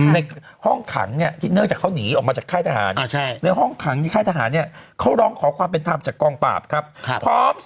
ในห้องขังเนื่องจากเขาหนีออกมาจากค่ายทหาร